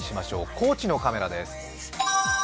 高知のカメラです。